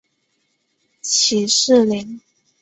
起士林。